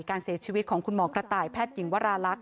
การเสียชีวิตของคุณหมอกระต่ายแพทย์หญิงวราลักษ